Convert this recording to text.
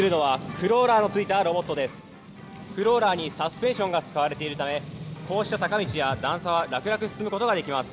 クローラーにサスペンションが使われているためこうした坂道や段差は楽々進むことができます。